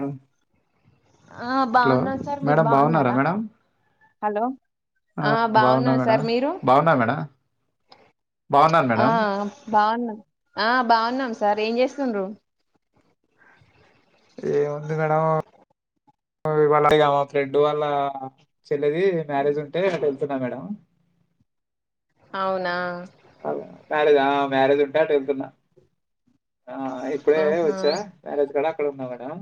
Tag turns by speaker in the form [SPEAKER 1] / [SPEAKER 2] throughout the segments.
[SPEAKER 1] ఆ
[SPEAKER 2] ఆ బాగున్నారు సార్ మీరు బాగున్నారా హలో
[SPEAKER 1] ఆ
[SPEAKER 2] బాగున్నా
[SPEAKER 1] మేడం
[SPEAKER 2] సార్ మీరు
[SPEAKER 1] బాగున్నా మేడం బాగున్నాను మేడం
[SPEAKER 2] ఆ బాగున్నాం ఆ బాగున్నాం సార్ ఏం చేస్తుండ్ర
[SPEAKER 1] ఏముంది మేడం ఇళ అడిగా ఫ్రెడ్ వాళ్ళ చెల్లది మ్యారేజ్ ఉంటే వెళ్తున్నా మేడం
[SPEAKER 2] అవునా
[SPEAKER 1] మ్యారేజ్ ఆ మ్యారేజ్ ఉంటే అటు వెళ్తున్నా ఆ ఇప్పుడే
[SPEAKER 2] ఆహా
[SPEAKER 1] వచ్చా మ్యారేజ్ కూడా డన్నా మేడం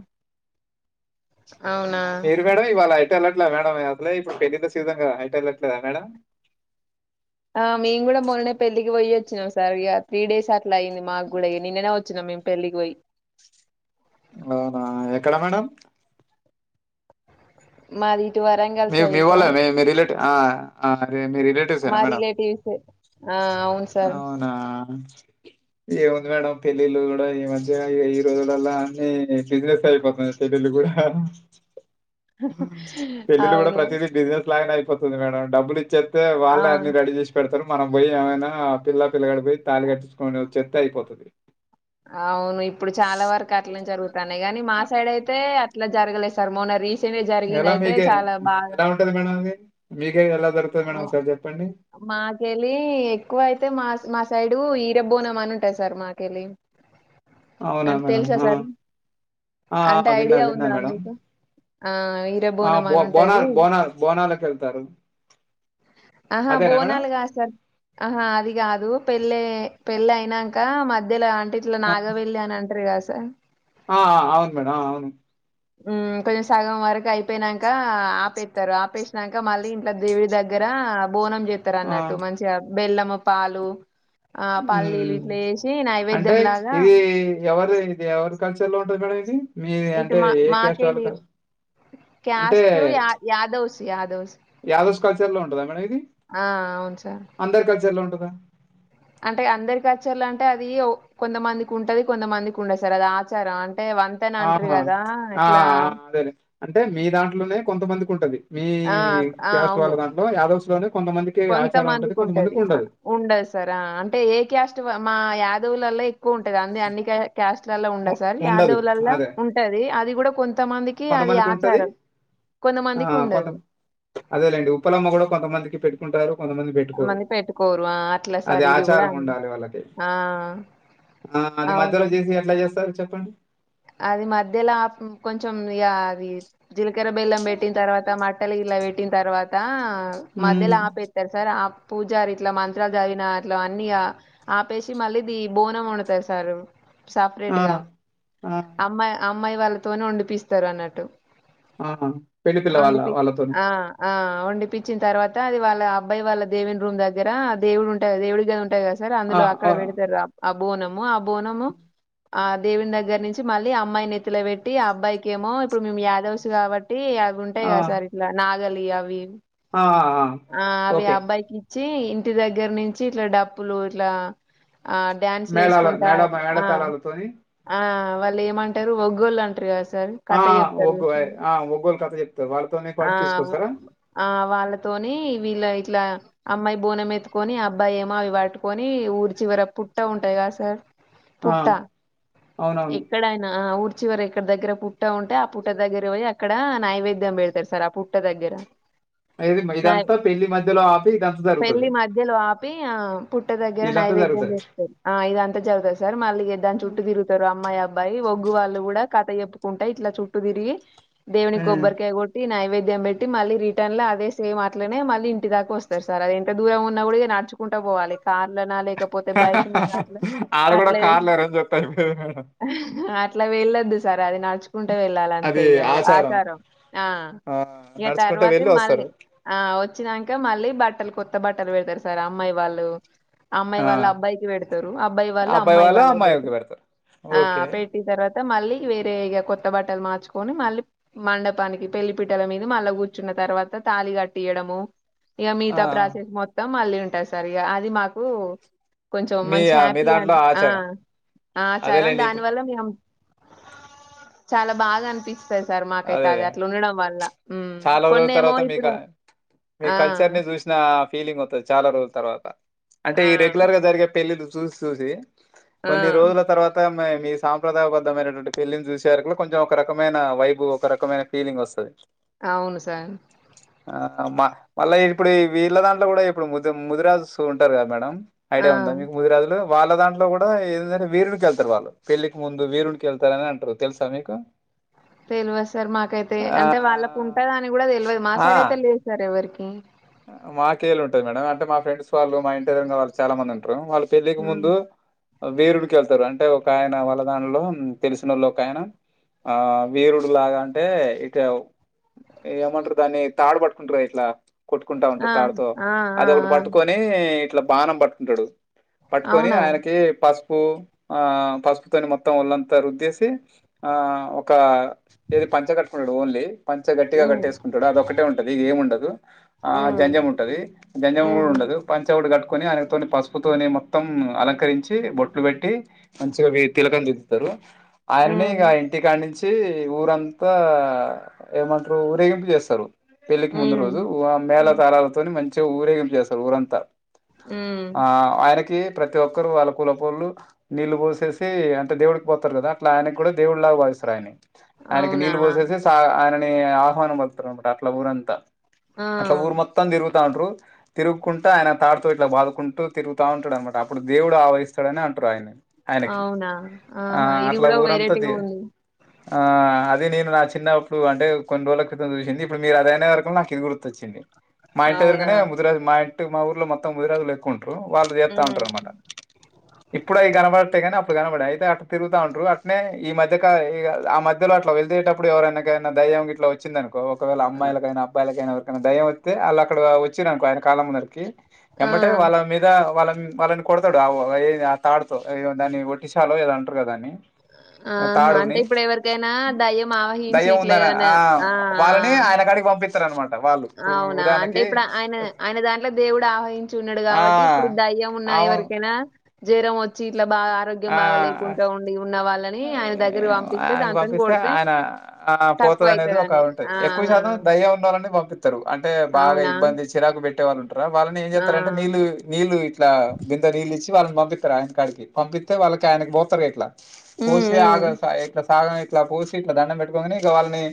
[SPEAKER 2] అవునా
[SPEAKER 1] మీరు మేడం ఇవాళ అ వెళ్ళట్లే మేడం అస ఇప్పుడు పెలింది సీజన్గా హైట వెళ్ళట్లేదా మేడం
[SPEAKER 2] ఆ మేము కూడా మొన్ననే పెళ్ళలికి పోయి వచ్చినాం సార్ ఇక త్రీ డేస్ అట్లా అయ్యింది మాకు కూడా ఇ నిన్ననే వచ్చినాం పళ్లికుయి
[SPEAKER 1] అవునా, ఎక్కడ మేడం?
[SPEAKER 2] మాదిటు వరంగల్
[SPEAKER 1] మీ
[SPEAKER 2] సైడ్ సార్
[SPEAKER 1] ది మీ రిలేటివ్స్ ఏనా
[SPEAKER 2] మా
[SPEAKER 1] మేడం
[SPEAKER 2] రిలేటివ్స్ ఆ అవును సార్
[SPEAKER 1] అవునా ఏముంది మేడం పెళ్ళిళ్ళు గూడ ఈ మధ్య ఈ రోజులళ్ళ అన్ని బిజినెస్ అయిపోతుంది పెళ్ళిళ్ళు గూడ్ గ్గుడా
[SPEAKER 2] [inaudible]
[SPEAKER 1] పెళ్లిలు గూడ ప్రతీదీ బిజినెస్ లాగనే అయిపోతుంది మేడం, డబ్బులు ఇచ్చేత్తె వాళ్ళే అన్ని
[SPEAKER 2] అవును
[SPEAKER 1] రెడి జెసి పెడతరు మనం బోయి ఏమైనా పిల్ల పిల్లగాడు బోయి తాళి గట్టిచ్చుకొని వచ్చేత్తే అయిపోతది.
[SPEAKER 2] అవును ఇప్పుడు చాలా వరకట్లే జరుగుతానయి గని మా
[SPEAKER 1] ఆ!
[SPEAKER 2] సైడ్ అయితే అట్ల జరగలేస్ సార్ మొన్న రీసెంట్గ
[SPEAKER 1] ఎలా
[SPEAKER 2] జరిగిందయితే చాలా బాగా
[SPEAKER 1] మీకేలి ఎలా జరుగుతది మేడం ఒక్సారి జెప్పండి?
[SPEAKER 2] మాకెలీ ఎక్కువయితే మాస్ మా సైడు ఈ గ బ్బోనమనుంటయయి సార్ మాకేలి,
[SPEAKER 1] అవునా
[SPEAKER 2] అంటె
[SPEAKER 1] మేడం?
[SPEAKER 2] తెలుసా
[SPEAKER 1] ఆ!
[SPEAKER 2] సార్ మిక్
[SPEAKER 1] ఆ! ఆ!
[SPEAKER 2] అంటే
[SPEAKER 1] విన్నా,
[SPEAKER 2] ఐడియా
[SPEAKER 1] విన్నా
[SPEAKER 2] ఉందా
[SPEAKER 1] మేడం.
[SPEAKER 2] మీకు ఆ ఈర
[SPEAKER 1] ఆ! బో
[SPEAKER 2] బోనమనుంటది,
[SPEAKER 1] బోనాలు బోనాలు బోనాలకెళ్తారు.
[SPEAKER 2] అహ్ ఆ
[SPEAKER 1] అదేనా మేడం?
[SPEAKER 2] బోనాలు గాదు సార్, ఆహా అది గాదు పెళ్ళయి పెళ్ళయినంక ఆ మధ్యల అంటే ఇట్ల
[SPEAKER 1] ఆ!
[SPEAKER 2] నాగబెల్లి అని అంటరు గదసార్
[SPEAKER 1] ఆ ఆ అవును మేడం, అవును.
[SPEAKER 2] ఉమ్ కొంచెం సగం వరకయిపోయినంకా ఆపేత్తరు ఆపేసినంక మళ్ళీ ఇంట్ల దేవి దగ్గర బోనం
[SPEAKER 1] ఆ!
[SPEAKER 2] జేత్తరన్నట్టు మంచిగా బెల్లము, పాలు ఆహ్, పల్లీలు
[SPEAKER 1] ఉమ్
[SPEAKER 2] ఇట్లా ఏసి
[SPEAKER 1] అంటే
[SPEAKER 2] నైవేద్యం లాగా
[SPEAKER 1] ఇది ఎవరిదగ్ ఇది ఎవరి కల్చర్ ల్లో ఉంటది మేడం ఇది మీ
[SPEAKER 2] ఇటు
[SPEAKER 1] అంటే
[SPEAKER 2] మా
[SPEAKER 1] ఏ క్యాస్ట్
[SPEAKER 2] మాకేలి,
[SPEAKER 1] వాళ్ళక అంటే
[SPEAKER 2] క్యాస్టు యా యాదవ్స్ యాదవ్స్
[SPEAKER 1] యాదవ్స్ కల్చర్ లో ఉంటదా మేడం ఇది?
[SPEAKER 2] ఆ! అవును సార్.
[SPEAKER 1] అందరి కల్చర్ లో ఉంటదా?
[SPEAKER 2] అంటే అందరికల్చర్ల అంటే అది ఓ కొంతమందికుంటది, కొంతమందికి ఉండది సార్ అది ఆచారం అంట్ అంటే వంతేనా అంట్రూ
[SPEAKER 1] ఆహా
[SPEAKER 2] గదా
[SPEAKER 1] ఆ,
[SPEAKER 2] ఇట్లా
[SPEAKER 1] ఆ, అదేలే అంటే మీ దాంట్లనే కొంతమందికుంటది, మీ
[SPEAKER 2] ఆ!
[SPEAKER 1] క్యాస్ట్ వాళ్ళ దాంట్లో యాదవ్స్ లోనే కొంతమందికి ఆచారం ఉంటది
[SPEAKER 2] కొంతమందికుంటది,
[SPEAKER 1] కొంతమందికి ఉండదు
[SPEAKER 2] ఉండదు సార్ అంటే ఏ క్యాస్ట్ ట్ వ మా యాదవులళ్ళ ఎక్ క్కువుంటది అంది అన్ని క్యా క్యాస్ట్ లల్ల ఉండదు
[SPEAKER 1] ఉ-
[SPEAKER 2] సార్
[SPEAKER 1] ఉండదు
[SPEAKER 2] యాదవ్ లల్ల
[SPEAKER 1] అదే
[SPEAKER 2] ఉంటది అదిగూడ కొంతమందికి అది ఆచారం
[SPEAKER 1] ఆ
[SPEAKER 2] కొంతమందికి ఉండదు.
[SPEAKER 1] కొంతమం అదేలేండి ఉప్పలమ్మ గూడ కొంతమందికి పెట్టుకుంటారు కొంతమంది బెట్టుకోరు,
[SPEAKER 2] కొంతమంది పెట్టుకోరు. ఆ! అట్లా సార్
[SPEAKER 1] అది
[SPEAKER 2] ఇది గూడా
[SPEAKER 1] ఆచారం
[SPEAKER 2] అన్
[SPEAKER 1] ఉండాలి వాళ్ళకి
[SPEAKER 2] ఆ!
[SPEAKER 1] ఆ అది మధ్యలో
[SPEAKER 2] అవును.
[SPEAKER 1] జేసి ఎట్ల చేస్తరు చెప్పండి?
[SPEAKER 2] అది మధ్యలా ఉమ్ కొంచెం ఇగా అది జిలకర్ర బెల్లం బెట్టిన్తర్వాత మట్టలు గిట్ల బెట్టిన్తర్వాతా మధ్యల
[SPEAKER 1] ఉమ్.
[SPEAKER 2] ఆపేత్తరు సార్ ఆప్ పూజారిగిట్లా మంత్రాలు జదివినా అట్ల అన్నిగా ఆపేసి మళ్ళీ ది బోనం వండుతరు సారు.
[SPEAKER 1] ఆ!
[SPEAKER 2] సపరేట్గా,
[SPEAKER 1] ఆ!
[SPEAKER 2] అమ్మాయి అమ్మాయి వాళ్ళతోని వండిపిస్తరన్నట్టు.
[SPEAKER 1] ఆ! పెళ్లి పిల్ల వాళ్ళ
[SPEAKER 2] అండిపి
[SPEAKER 1] వాళ్ళతోని.
[SPEAKER 2] ఆ ఆ వండిపిచ్చిన్తర్వాత అది వాళ్ళ అబ్బాయి వాళ్ళ దేవుని రూమ్ దగ్గరా దేవుడుమ్టదిగా దేవుడి గది ఉంటది గదా స్ సర్
[SPEAKER 1] ఆ!
[SPEAKER 2] అందులో అక్కడ
[SPEAKER 1] అవును.
[SPEAKER 2] బెడతరు ఆ బోనము, ఆ బోనము ఆ దేవునిదగ్గర్ నుంచి మల్లి అమ్మాయి నెత్తిల బెట్టి అబ్బాయికేమో ఇప్పుడు మేము యాదవ్స్ గాబట్ టి అవుంటయి
[SPEAKER 1] ఆ!
[SPEAKER 2] గదా సార్ ఇట్ల నాగలి అవి, ఆ
[SPEAKER 1] ఓకే.
[SPEAKER 2] అబ్బాయికిచ్ చ్చి ఇంటి దగ్గర నుంచి ఇట్ల డప్పులు ఇట్లా ఆ డ్యాన్స్లు
[SPEAKER 1] మేళాల
[SPEAKER 2] ఏసుకుంటా
[SPEAKER 1] మేళ
[SPEAKER 2] అట్ల్
[SPEAKER 1] మేళతాళాలతోని
[SPEAKER 2] ఆ ఆ వాళ్ళేమంటరు ఒగ్గోళ్ళు అంటరు గదా సార్
[SPEAKER 1] ఆ!
[SPEAKER 2] కథ
[SPEAKER 1] ఒగ్గు ఆయ్
[SPEAKER 2] చెప్తర్జూష్నవా
[SPEAKER 1] ఆ! ఒగ్గోలు కథ చెప్తారు. వాళ్ళతోనే పాటు
[SPEAKER 2] ఆ వ్
[SPEAKER 1] తీసుకొస్తారా?
[SPEAKER 2] వాళ్ళతోని వీళ్ళ ఇట్ల అమ్మాయి బోనమెత్ త్తుకోనీ అబ్బాఏమో అవి బట్టుకొని ఊరి చివర పుట్ట ఉంటడి గద సార్
[SPEAKER 1] ఆ అవునవును.
[SPEAKER 2] న ఆ ఊర్చివర ఎక్కడ దగ్గర పుట్ట ఉంటే ఆ పుట్ట దగ్గర బోయి అక్కడ నైవేద్యం బెడతరు సార్ ఆ పుట్ట దగ్ దగ్గరా
[SPEAKER 1] అది ఇదంతా పెళ్లి మధ్యలో ఆపి ఇదంతా జరుగుతుది
[SPEAKER 2] ప్పి ఆ పుట్ట దగ్గర నైవేద్యం పెస్తుంది ఆ ఇదంత చ జగుతంది సార్ మళ్ళీ దా చుట్టూ తిరుగుతారు అమ్మాయి అబ్బాయి ఒగ్గు వాళ్ళు కూడా కథ చెప్పుకుంటా ఇట్లా చుట్టూ తిరిగి దేవణి
[SPEAKER 1] హ్మ్.
[SPEAKER 2] కొబ్బరికాయ కొట్టి నైవేద్య ద పెట్టి మళ్ళీ రిటర్న్ లో అదేమ్ అట్లేనే మళ్ళీ ఇంటి దాకా వస్తారు సార్ అది ఎంత దురం ఉన్న కూడా ఇగ నడుచు కుంటా పోవాలి కార్లనా లేకపోతే బైక్ మీద అట్లా
[SPEAKER 1] ఆడ గూడా
[SPEAKER 2] అట్ల
[SPEAKER 1] కార్లు అరేంజ్ అయిపోయేది మేడం.
[SPEAKER 2] అట్లా వెళ్ళొద్దు సర్ అది నడుచుకుంటా వెళ్ళాలె అంతే ఇగ అది ఆచారం ఆ ఇక
[SPEAKER 1] నడుచుకుంటూ
[SPEAKER 2] తర్వాత
[SPEAKER 1] వెళ్లి వస్తారు.
[SPEAKER 2] మళ్ళీ ఆ వచ్చినాక మళ్ళీ బట్టలు కొ కొత్త బట్టలు పెడతారు సార్ అమ్మాయి వాళ్ళు అమ్మాయి
[SPEAKER 1] ఆ!
[SPEAKER 2] వాళ్ళు అబ్బాయికి పెడతారు అబ్బాయి వాళ్ళు అమ్మాయి వాళ్ళకి పెడతారు ఆ
[SPEAKER 1] ఓకే.
[SPEAKER 2] పెట్టిన తర్వాత తర్వాత మళ్ళీ వేరే ఇగ కొత్త బట్టలు మార్చుకొని మళ్ళీ మండపానికి పెళ్లి పిట్టల మీద మళ్ళీ కూర్చు తిన్న తర్వాత తాళి కట్టేయడము ఈగ
[SPEAKER 1] ఆ!
[SPEAKER 2] మిగతా ప్రాసెస్ మొత్తం మళ్లీ ఉంటది సార్ ఇగ అది మాకు కొంచెం
[SPEAKER 1] మీ
[SPEAKER 2] మంచి
[SPEAKER 1] ఆ, మీ
[SPEAKER 2] హ్యాపీ
[SPEAKER 1] దాంట్లో
[SPEAKER 2] హ్యాపీ ఆ
[SPEAKER 1] ఆచారం.
[SPEAKER 2] ఆ ఆచారం
[SPEAKER 1] అదేలేండి
[SPEAKER 2] దాని
[SPEAKER 1] ఇప్పుడు
[SPEAKER 2] వల్ల మేము చాలా బాగా అనిపిస్త వయి సార్
[SPEAKER 1] అదే
[SPEAKER 2] మాకైతే అది
[SPEAKER 1] అదే
[SPEAKER 2] అట్లా ఉండడం వల్ల ఉ
[SPEAKER 1] చాలా రోజుల
[SPEAKER 2] కొన్నేమో
[SPEAKER 1] తర్వాత మీ క
[SPEAKER 2] ఇప్పుడు
[SPEAKER 1] మీ
[SPEAKER 2] ఆ
[SPEAKER 1] కల్చర్ ని చూసిన ఫీలింగ్ అవుతుంది చాలా రోజుల తర్వాత
[SPEAKER 2] ఆ
[SPEAKER 1] అంటే ఈ రెగ్యులర్ గా జరిగే పెళ్ళిళ్లు చూసి చూసి
[SPEAKER 2] ఆ
[SPEAKER 1] కొన్ని రోజుల తర్వాత మ మీ సాంప్రదాయబద్ధమైనటువంటి పెళ్లిని చూసే కొంచెం ఒక రకమైన వైబ ఒక రకమైన ఫీలింగ్ వస్తుంది
[SPEAKER 2] అవును సార్
[SPEAKER 1] ఆ మళ్ళీ ఇప్పుడు వీళ్ళ దాంట్లో కూడా ఇప్పుడు ముదు ముదిరాజ ఉంటారు కదా మేడం
[SPEAKER 2] ఆ
[SPEAKER 1] ఐడియా ఉందా మీకు ముది రాజులు వాళ్ళ దాంట్లో కూడా ఏంటే వీరునికి వెళ్తారు వాళ్ళు పెళ్లికి ముందు వీరునికి వెళ్తార అని అంటారు తెలుసా మీకు
[SPEAKER 2] తెలవదు సార్ మాకైతే అంటే వాళ్ళకు
[SPEAKER 1] ఆహ్,
[SPEAKER 2] ఉంటద అని కూడా తెలవదు మా సైడ్ అయితే లేదు సార్ ఎవరికి
[SPEAKER 1] మాకేళ్ళు ఉంటుంది మేడం అంటే మా ఫ్రెండ్స్ వాళ్ళ మా ఇంటి ఎదురుంగా వాళ్ళు చాలా మంది ఉంటంది వాళ్ళ పెళ్ళికి
[SPEAKER 2] ఉమ్.
[SPEAKER 1] ముందు వేరుడికి వెళ్తారు అంటే ఒక ఆయన వాళ్దానిలో తెలిసినోళ్ళు ఒక ఆయన ఆ వీరుడు లాగా అంటే ఇక ఏమంటారు దాన్ని తాడు పట్టుకుంటారు కదా ఇట్లా కొట్టుకుంటా ఉంటుడు
[SPEAKER 2] ఆ
[SPEAKER 1] తాడుతో
[SPEAKER 2] ఆ ఆ
[SPEAKER 1] అది ఒకటి
[SPEAKER 2] ఆ
[SPEAKER 1] పట్టుకొని ఇట్లా బాణం పట్టుకుంటాడు పట్టుకొని
[SPEAKER 2] అవునా
[SPEAKER 1] ఆయనకి పస్ ఉప్పు ఆ పసుపుతోని మొత్తం వళ్ళంతా రుద్దేసి ఆ ఒక పంచ కట్టుకుంటాడు ఓన్లీ పంచ గట్టిగా
[SPEAKER 2] ఉమ్
[SPEAKER 1] కట్టేసుకుంటాడు అద ఒకటే ఉంటది ఇది ఏమి ఉండదు ఆ
[SPEAKER 2] ఉమ్
[SPEAKER 1] జంజమ్ము ఉంటది జంజం కూడా
[SPEAKER 2] ఉమ్
[SPEAKER 1] ఉండదు పంచ కట్టుకొని ఆనితో పసుపుతో మొత్తం అలంకరించి బొట్లు పెట్టి మంచిగా తిలకం చతరు ఆయననే
[SPEAKER 2] ఉమ్
[SPEAKER 1] ఇక ఇంటికాడి నుంచి చ్చి ఊరంతా ఏమంటారు ఊరేగింపు చేస్తారు పెళ్లికి ముందు
[SPEAKER 2] ఉమ్,
[SPEAKER 1] రోజు మేళ తారాలతోని మంచిగా ఊరేగిం చేస్తారు ఊరంతా
[SPEAKER 2] ఉమ్.
[SPEAKER 1] ఆ ఆయనకి ప్రతి ఒక్కరు వాళ్ళ కూల పోళ్లు నీళ్లు పోసేసి అంటే దేవుడికి పోతారు కదా అట్లా ఆయనకు కూడా దేవుడిలాగా య ఆయనకి
[SPEAKER 2] అవునా
[SPEAKER 1] నీళ్ళు పోసేసి ఆయనని ఆహ్వానం పలుకుతారు అనమాట అట్లా ఊరంతా
[SPEAKER 2] ఆ
[SPEAKER 1] అట్ల ఊరు మొత్తం తిరుగుతూ రు తిరుగుకుంటూ ఆయన తాడుతూ ఇట్లా బాకుంటూ తిగుతా ఉంటాడు అనమాట అప్పుడు దేవుడు ఆవహిస్తాడని అంటడు ఆయన ఆయనకి
[SPEAKER 2] అవునా
[SPEAKER 1] ఆ
[SPEAKER 2] ఆహా ఇది
[SPEAKER 1] అట్లా
[SPEAKER 2] కూడా
[SPEAKER 1] ఊరంతది
[SPEAKER 2] వెరైటీగా ఉంది
[SPEAKER 1] ఆ అదే నేను నా చిన్నప్పుడు అంటే కొన్ని రోజుల క్రితం చూసింది ఇప్పుడు మీరు అదయినే వరకు నాకు ఇది గు వచ్చింది మా ఇంటి
[SPEAKER 2] అవునా
[SPEAKER 1] ఎదురుగానే ముదిరాజ్ మా ఇంటి మా ఊర్లో మొత్తం ముదిరాజులు ఎక్కువ ఉంటారు వాళ్ళు చేస్తా ఉంటారు అనమాట
[SPEAKER 2] ఉమ్
[SPEAKER 1] ఇప్పుడు ఈ కనపడితే కానీ కనబడి అయితే అట్ తిరుగుతా ఉంటారు అట్నే ఈ మధ్య ఆ మధ్యలో అట్లా వెళ్దతేటప్పుడు ఎవరైనాకనా ఇట్లా వచ్చిందను ఒకవేళ అమ్మాయిలకైనా అబ్బయిలకైనా ఎరికైనా దయం వస్తే అలా అక్కడ వచ్చిననుకో ఆయన కాలంందరికి
[SPEAKER 2] ఆ
[SPEAKER 1] ఏమంటే వాళ్ళ మీద వాళ్ళ వాళ్ళని కొడతాడు ఏ ఆ తాడుతో దాన్ని కొటిసలో ఏద అంటారు కదాని
[SPEAKER 2] ఆహా అంటే
[SPEAKER 1] తాడుని
[SPEAKER 2] ఇప్పుడు ఎవరికైనా దయ్యం ఆవహించి
[SPEAKER 1] దయ్యం
[SPEAKER 2] ఇట్లా
[SPEAKER 1] ఉందని
[SPEAKER 2] ఏమన్నా
[SPEAKER 1] ఆ వాళ్ళని
[SPEAKER 2] ఆ
[SPEAKER 1] ఆయన కాడికి పంపిస్త
[SPEAKER 2] అవునా అంటే ఇప్పుడు ఆయన ఆయన దాంట్లో దేవుడు ఆహవాహంచి ఉన్నాడు
[SPEAKER 1] ఆ
[SPEAKER 2] కాబట్టి ఇప్పుడు దయ్యం ఉన్నాయో
[SPEAKER 1] ఆమె
[SPEAKER 2] వకేనా జరం వచ్చి ఇట్లా బాగా ఆరోగ్యం బాగా
[SPEAKER 1] ఆ
[SPEAKER 2] లేకుండా ఉండి ఉన్న వాళ్ళని ఆయన దగ్గర పంపిస్తే
[SPEAKER 1] ఆయనకి
[SPEAKER 2] దాంతోని
[SPEAKER 1] పంపిస్తే
[SPEAKER 2] కొడితే
[SPEAKER 1] ఆయన ఆ!
[SPEAKER 2] తక్కువ
[SPEAKER 1] పోతదనేది
[SPEAKER 2] అయితదని ఆహా
[SPEAKER 1] పంపిస్తారు అంటే బాగా
[SPEAKER 2] అవునా?
[SPEAKER 1] ఇబ్బంది చిరాకు పెట్టేళ్ళుంట వాళ్ళని ఏం
[SPEAKER 2] ఆ!
[SPEAKER 1] చేస్తారంటేళ్ళు నీళ్లు ఇట్లా బింద నీళ్ళు ఇచ్చి వాళ్ళని పంపిస్తారు ఆయన కాడికి పంపిస్తే వాళ్ళకి ఆయనకి పోతారు ఎట్లా
[SPEAKER 2] హ్మ్.
[SPEAKER 1] కోసి
[SPEAKER 2] హ్మ్.
[SPEAKER 1] ఆగ సాగం ఇట్లా పోసి ఇట్లా దండం పెట్టుకని ఇక వాళ్ళని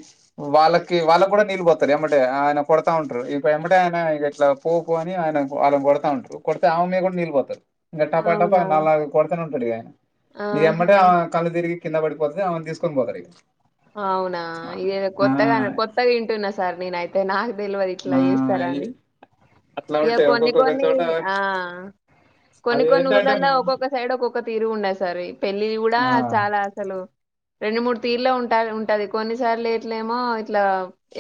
[SPEAKER 1] వాళ్ళకి వాళ్ళకు కూడా నీళ్ళ పోతారు ఏమంటే ఆయన కొడతా ఉంటారు ఇ వెమిటే ఆయన ఇ ఇట్లా పో పో అని ఆయన వాళ్ళని కొడతా ఉంటారు కొడితే ఆమె మీద కూడా నీళ్ళ పోతారు ఇంకా టప్ప టప్ప
[SPEAKER 2] అవునా?
[SPEAKER 1] నాలు కొడతానే ఉంటాడు ఇ
[SPEAKER 2] ఆహా!
[SPEAKER 1] ఇమ్మటే ఆ కళ్ళు తిరిగి కింద పడిపోతుతే అమని తీసుకొని పోతారు ఇక
[SPEAKER 2] అవునా ఇ కొత్తగా కొత్తగా ఇంటున్న సార్ నన అయితే నా తెలివరి ఇట్లా
[SPEAKER 1] ఆ
[SPEAKER 2] చేస్తారా
[SPEAKER 1] ఇది
[SPEAKER 2] అని
[SPEAKER 1] అట్లా
[SPEAKER 2] ఇక
[SPEAKER 1] ఉంటాయి
[SPEAKER 2] కొన్ని
[SPEAKER 1] ఒక్కొక్కొక్క
[SPEAKER 2] కొన్ని
[SPEAKER 1] చోట
[SPEAKER 2] ఆ కొన్ని
[SPEAKER 1] అవి
[SPEAKER 2] కొన్ని
[SPEAKER 1] ఏంటంటే
[SPEAKER 2] ఊర్లలో ఒక్కొక్క సైడ్ ఒక్కొక్క తిరు ఉండయి సార్ ఈ పెళ్ళి కూడా
[SPEAKER 1] ఆ
[SPEAKER 2] చాలా అసలు రెండు మూడు తీరులో ఉంటా ఉంటది కొన్నిసార్లు ఇట్లమో ఇట్లా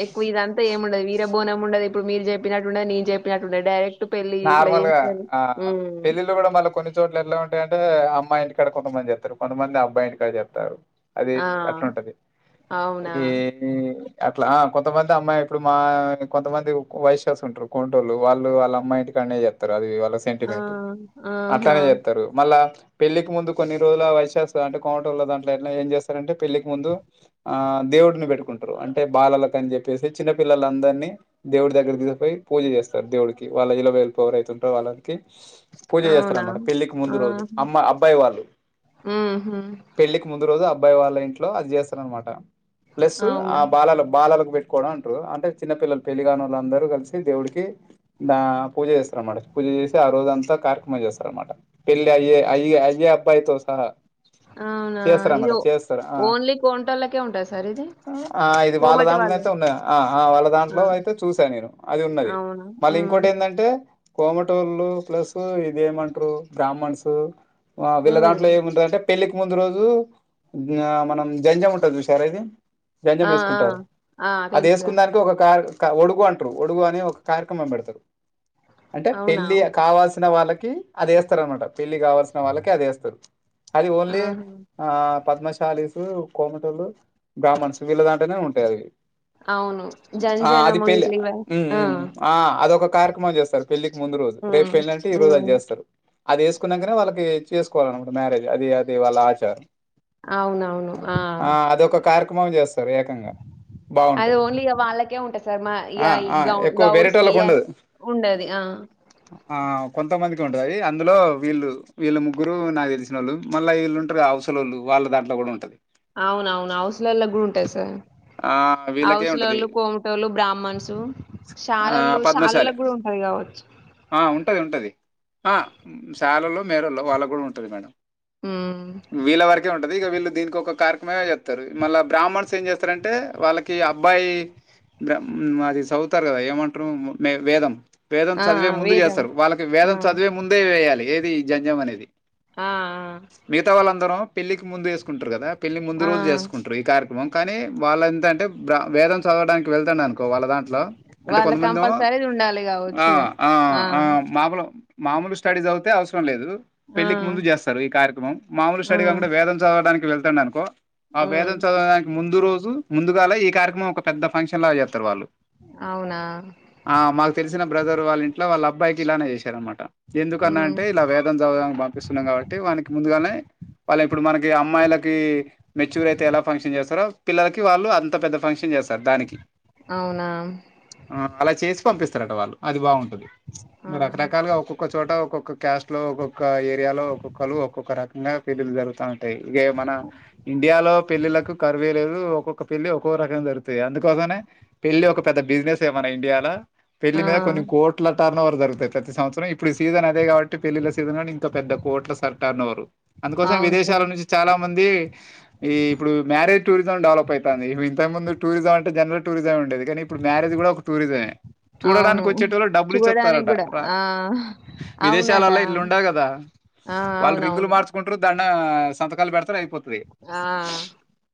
[SPEAKER 2] ఎక్కువ ఇదంతా ఏముండదు బోం ఉండదు ఇప్పుడు మీరు చెప్పినట్టుండా నేను చెప్పినట్టుండ డైరెక్ట్ పెళ్లి ఇట్లా
[SPEAKER 1] నార్మల్గా
[SPEAKER 2] చేస్తారు
[SPEAKER 1] ఆ
[SPEAKER 2] ఉమ్,
[SPEAKER 1] పెళ్ళిళ్ళు కూడా మళ్ళీ కొన్ని చోట్ల ఎట్లా ఉంటాయంటే అమ్ అమ్మాయి ఇంటికాడ కొంతమంది చెప్తారు కొంతమంది అబ్బాయి ఇంటికాడ చెప్తారు అది
[SPEAKER 2] ఆ
[SPEAKER 1] అట్లా ఉంటది
[SPEAKER 2] అవునా
[SPEAKER 1] ఈ అట్లా కొంతమంది అమ్మాయి ఇప్పుడు మా కొంతమంది వయస్స్ ఉంటారు కొంటోళ్ వాళ్ళుళ్ళ అమ్మాయి ఇక్కనే చెస్తారు అది వాళ్ళ
[SPEAKER 2] ఆ,
[SPEAKER 1] సెంటిమెంట్
[SPEAKER 2] ఆహా
[SPEAKER 1] అట్లానే చేస్తారు మళ్ళా పెళ్లికి ముందు కొన్ని రోజుల వయసుేస్తు అంటే కోమట లో దాంట్లోట్ ఏం చేస్తారంటే పెళ్లికి ముందు ఆ దేవుడిని పెట్టుకుంటారు అంటే బాలక అని చెప్పేసి చిన్న పిల్లల అందరినీ దేవుడి దగ్గర తీసిపోయి పూజ చేస్తారు సార్ దేవుడికి వాళ్ళ ఇలా వెళ్ళపు ఎవరు అతుంటారు వాళ్ళకి పూజ
[SPEAKER 2] అవునా
[SPEAKER 1] చేస్తారన్నమాట పెళ్ళికి ముందు
[SPEAKER 2] ఆహా,
[SPEAKER 1] రోజు అమ్మా అబ్బాయి వాళ్ళు
[SPEAKER 2] ఉహు,
[SPEAKER 1] పెళ్ళికి ముందు రోజు అబ్బాయి వాళ్ళ ఇంట్లో అది చేస్తార అనమాట ప్లస్ ఆ
[SPEAKER 2] అవునా
[SPEAKER 1] బాలలు బాలలు పెట్టుకోవడం అంటారు అంటే చిన్న పిల్లలు పెళ్లిగాని వాళ్ళందరూ కలిసి దేవుడికి నా పూజ చేస్తారన్నమాట పూజ చేసి ఆ రోజ అంతా కార్యక్రమం చేస్తార అనమాట పెళ్ళి అయ్యే అయ్య అయేబ్బయితో సహా
[SPEAKER 2] అవునా ఇది
[SPEAKER 1] చేస్తారనమాట చేస్తారు ఆ
[SPEAKER 2] ఓన్లీ కోంటలకే ఉంటాంది సార్ ఇది
[SPEAKER 1] ఇది వాళ్ళ
[SPEAKER 2] కోమటి
[SPEAKER 1] దాంట్లోన
[SPEAKER 2] వాళ్ళు
[SPEAKER 1] అయితే ఉన్న ఆ వాళ్ళ
[SPEAKER 2] ఆ,
[SPEAKER 1] దాంట్లో అయితే చూశాను నేను అది ఉన్నది
[SPEAKER 2] అవునా
[SPEAKER 1] మళ్ళీ
[SPEAKER 2] ఉమ్,
[SPEAKER 1] ఇంకోటి ఏంటంటే కోమటోళ్ళు ప్లస్ ఇదేమంటారు బ్రాహ్మణ్స్ వీళ్ళ దాంట్లో
[SPEAKER 2] ఉమ్,
[SPEAKER 1] ఏముండందంటే పెళ్ళికి ముందు రోజు మనం జంజాం ఉంటుంది చూసారు అది వ్యంజం
[SPEAKER 2] ఆ, ఆ,
[SPEAKER 1] వేసుకుంటారు
[SPEAKER 2] ఆ,
[SPEAKER 1] అది వేసుకు
[SPEAKER 2] తెలుసా
[SPEAKER 1] దానికి ఒక కార్ ఒడుగు అంటారు ఒడుగు అని ఒక కార్యక్రమం పెడతారు అంటే
[SPEAKER 2] అవునా
[SPEAKER 1] పెళ్లి కావాల్సిన వాళ్ళకి అదిస్తారు అన్నమాట పెళ్లి కావాల్సిన వాళ్ళకి అది వేస్తారు అది ఓన్లీ
[SPEAKER 2] ఆహా,
[SPEAKER 1] ఆ పద్మశాలి కోమటలు బ్రాహ్మణస్ వీళ్ళ దాంటేనే ఉంటాయి అవి
[SPEAKER 2] అవును
[SPEAKER 1] ఆ అది
[SPEAKER 2] జంజనము
[SPEAKER 1] పెళ్లి
[SPEAKER 2] ఇలివ ఆ!
[SPEAKER 1] ఆ అదొక కార్యక్రమం చేస్త పెళ్లికి ముందు రోజు రేపు
[SPEAKER 2] హ్మ్.
[SPEAKER 1] పెళ్లి అంటే ఈ రజు
[SPEAKER 2] హ్మ్.
[SPEAKER 1] అది చేస్తారు అది వేసుకున్నాకనే వాళ్ళకి చేసుకోవాలను ఇ మ్యారేజ్ అది అది వాళ్ళ ఆచారం ఆ అదొక కార్యక్రమం చేస్తారు ఏకంగా
[SPEAKER 2] అది
[SPEAKER 1] బాగుంటది
[SPEAKER 2] ఓన్లీ ఇగ వాళ్ళకే ఉంటది సార్. మా ఇగ
[SPEAKER 1] ఆ
[SPEAKER 2] ఈ
[SPEAKER 1] ఆ
[SPEAKER 2] గౌ
[SPEAKER 1] ఎక్కువ వేరేట
[SPEAKER 2] గౌడ్స్‌కి
[SPEAKER 1] వాళ్ళకు
[SPEAKER 2] అ
[SPEAKER 1] ఉండదు
[SPEAKER 2] ఉండది. ఆ!
[SPEAKER 1] ఆ కొంతమందిక్ కుంటదది అందులో వీళ్ళు వీళ్ళు ముగ్గురు నాక్ తెలిసినోళ్ళు, మళ్ళ ఈళ్ళుంట్రు గా. అవసలోళ్ళు వాళ్ళ దాంట్లో కూడా ఉంటది
[SPEAKER 2] అవునవును అవసలోళ్ళ గూడా ఉంటాద్ సార్
[SPEAKER 1] ఆ వీళ్ళకే ఉంటది
[SPEAKER 2] ఆవసలోళ్ళు, కోమ్టోళ్ళు, బ్రాహ్మన్సు,
[SPEAKER 1] ఆ
[SPEAKER 2] శాలోళ్లు,
[SPEAKER 1] పద్మశాలి
[SPEAKER 2] శాలోళ్లగూడా ఉంట
[SPEAKER 1] ఆ ఉంటది ఉంటది. శాలోళ్లు, మేరోళ్ళు వాళ్ళగూడా ఉంటది మేడం
[SPEAKER 2] హ్మ్.
[SPEAKER 1] వీళ్ళ వరకే ఉంటది. ఇగ వీళ్ళు దీనికి ఒక కార్క్మే చెప్తారు. మళ్ళా బ్రాహ్మన్స్ ఏం చేస్తారంటే? వాళ్ళకి అబ్బాయి బ్రా మాది సవుతారు గదా ఏమంట్రు, మే వేదం వేదం
[SPEAKER 2] ఆ! ఆ!
[SPEAKER 1] చదివే ముందు
[SPEAKER 2] వేదం.
[SPEAKER 1] చేస్తారు. వాళ్ళకి
[SPEAKER 2] ఆ!
[SPEAKER 1] వేదం చదివే ముందే వేయాలి. ఏది? ఈ జన్జం అనేది.
[SPEAKER 2] ఆ! ఆ!
[SPEAKER 1] మిగతా వాళ్ళందరో పెళ్లికి ముందు వేసుకుంట్రు గదా. పెళ్లి ముందు
[SPEAKER 2] ఆ!
[SPEAKER 1] రోజు జెసుకుంట్రు, ఈ కార్ క్రమం కానీ వాళ్ళ అంతే అంటే బ్రా వేదం చదవడానికి వెళ్తాండనుకో వాళ్ళ దాంట్లో, అంటే
[SPEAKER 2] వాళ్ళ
[SPEAKER 1] కొంతమందోవ్
[SPEAKER 2] కంపల్సరీది ఉండాలి గావచ్చు
[SPEAKER 1] ఆ
[SPEAKER 2] ఇగ.
[SPEAKER 1] ఆ ఆ మామూలు మామూలు స్టడీ సదువుతే అవసరం లేదు.
[SPEAKER 2] ఆ!
[SPEAKER 1] పెళ్ళలికి ముందు చేస్తారు. ఈ కార్యక్రమం మాముూలు
[SPEAKER 2] ఆ!
[SPEAKER 1] స్టడీ కాకుండా, వేదం చదవడానికి వెళ్తాండానుకో ఆ
[SPEAKER 2] హ్మ్.
[SPEAKER 1] వేదం చదవడానికి ముందు రోజు, ముందుగానే ఈ కార్యక్రమం, ఒక పెద్ద ఫంక్షన్ లాగా చేత్తరు వాళ్ళు.
[SPEAKER 2] అవునా
[SPEAKER 1] ల్సిన బ్రదర్ వాళ్ళ ఇంట్ల వాళ్ళ అబ్బాకిలానే చేశారమాట్ ట. ఎందుకన్నా
[SPEAKER 2] హ్మ్.
[SPEAKER 1] అంటే ఇలా వేదం చదవదనికి పంపిస్తున్నాం కాబట్టి. వానికి ముందుగానే వల్లై ఇప్పుడు మనకి అమ్మాయిలకి మెచ్యూర్ అయితే, ఎలా ఫంక్షన్ చేస్తారో. పిల్లలకి వాళ్ళు అంత పెద్ద ఫంక్షన్ చేస్తారు. దానికి
[SPEAKER 2] అవునా!
[SPEAKER 1] ఆ అలా చేసి పంపిస్ తరట. వాళ్ళు అది బాగుంటది
[SPEAKER 2] ఆ
[SPEAKER 1] రకరకాలుగా ఒక్కొక్క చోట ఒక్కొక్ క్క క్యాస్ట్ లో, ఒక్కొక్క ఏరియాలో, ఒక్కొక్కళ్ళు, ఒక్కొక్క రకంగా పెళ్లిళ్లు జరుగుతాన్ టాయి. ఇగే మన ఇండియాలో పెళ్ళిళ్లకు కరువే లేదు. ఒక్కొక్క పెళ్లి ఒక్కోరకం జరుగుతాయి. అందుకోసమే పెళ్లి ఒక పెద్ద బిజినెసే, మన ఇండియాల
[SPEAKER 2] ఆ
[SPEAKER 1] పెళ్లి మీద కొన్ని కోట్ల టర్న ఓవర్ జరుగుతాయి. ప్రతి సంవత్సరం. ఇప్పుడు సీజన్ అదే గాబట్టి. పెళ్లిళ్ళ సీజన్ గాని ఇంకా పెద్ద కోట్ల సర్కార్ నోవ్రు. అందుకోసం
[SPEAKER 2] అవును
[SPEAKER 1] విదేశాల
[SPEAKER 2] సార్
[SPEAKER 1] నుంచి చాలా మంది. ఈ ఇప్పుడు మ్యారేజ్ టూరిజం, డెవలప్ అయితంది. ఇప్ ఇంతకు ముందు టూరిజం అంటే? General tourism. ఉండేది. కానీ ఇప్పుడు మ్యారేజ్ కూడా ఒక టూరిజమే!
[SPEAKER 2] అవును
[SPEAKER 1] చూడడానికి వచ్చేటళక్ డబ్బులు,
[SPEAKER 2] చూడడానికి
[SPEAKER 1] ఇచ్చోత్తరట.
[SPEAKER 2] కూడా
[SPEAKER 1] రా
[SPEAKER 2] ఆ అవునట
[SPEAKER 1] విదేశాలల్లే ఇట్లుండద్ గదా.
[SPEAKER 2] ఆ
[SPEAKER 1] వాళ్ రింగులు
[SPEAKER 2] అవునవును
[SPEAKER 1] మార్సుకుంట్రు ద డా సంతకాలు పెడతరూ అయిపోతది.
[SPEAKER 2] ఆ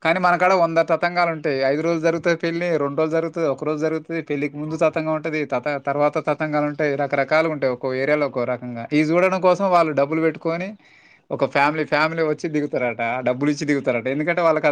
[SPEAKER 1] కానీ మన కాడ వందతతంగాలుంటయి. ఐదు రోజులు జరుగుతది పెళ్లి, రెండ్రోజు జరుగుతది, ఒక రోజు జరుగుతది, పెళ్లికి ముందు జ తంగా ఉంటది. తత తర్వాత తతంగాలుంటయి. రకరకాలుగా ఉంటాయి, ఒక్కో ఏరియాలో, ఒక్కో రకంగా. ఈ జూడడం కోసం వాళ్ళు డబ్బులు పెట్టుకొని, ఒక ఫ్యామిలీ ఫ్యామిలీ వచ్చి దిగుతారట. డబ్బులు ఇచ్చి దిగుతారట, ఎందుకంటే? వాళ్ళకర్